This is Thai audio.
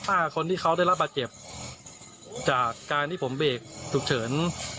อ่าคนที่เขาได้รับบาดเจ็บจากการที่ผมเบรกฉุกเฉิน